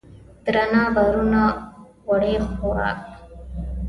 درانه بارونه وړي خوراک